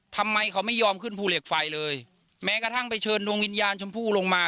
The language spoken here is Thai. ทำไมเขาไม่ยอมขึ้นภูเหล็กไฟเลยแม้กระทั่งไปเชิญดวงวิญญาณชมพู่ลงมา